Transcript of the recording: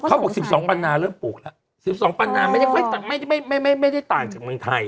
เขาบอก๑๒ปันนาเริ่มปลูกแล้ว๑๒ปันนาไม่ได้ต่างจากเมืองไทย